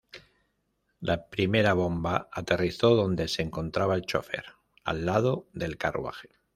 La primera bomba aterrizó donde se encontraba el chofer, al lado del carruaje.